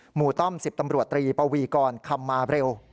หมู่ต้อมสิบตำรวจตรีปวีกรคำมาเร็ว